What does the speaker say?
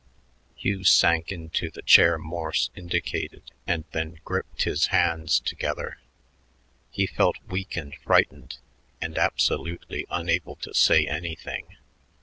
Hugh sank into the chair Morse indicated and then gripped his hands together. He felt weak and frightened, and absolutely unable to say anything.